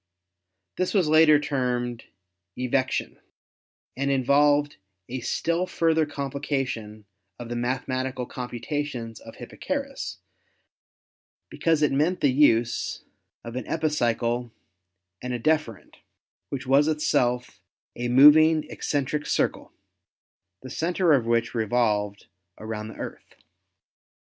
This was later termed "evection" and involved a still further complication of the mathemati cal computations of Hipparchus because it meant the use of an epicycle and a deferent, which was itself a moving eccentric circle, the center of which revolved around the Earth.